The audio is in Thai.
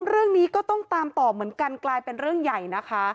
เรื่องนี้ก็ต้องตามต่อเหมือนกันกลายเป็นเรื่องใหญ่นะคะ